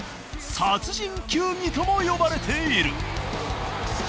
「殺人球技」とも呼ばれている。